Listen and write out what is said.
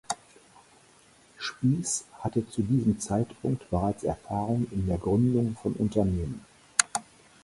Spieß hatte zu diesem Zeitpunkt bereits Erfahrung in der Gründung von Unternehmen.